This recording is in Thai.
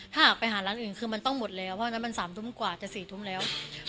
ถ้าหากไปหาร้านอื่นคือมันต้องหมดแล้วเพราะฉะนั้นมัน๓ทุ่มกว่าจะ๔ทุ่มแล้ว